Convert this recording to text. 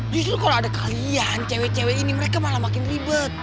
justru kalau ada kalian cewek cewek ini mereka malah makin ribet